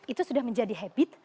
itu sudah menjadi habit